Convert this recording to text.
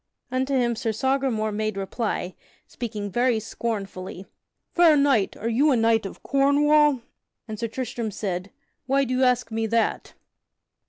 Unto him Sir Sagramore made reply, speaking very scornfully: "Fair knight, are you a knight of Cornwall?" and Sir Tristram said: "Why do you ask me that?"